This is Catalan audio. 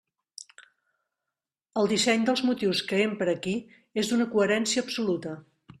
El disseny dels motius que empra aquí és d'una coherència absoluta.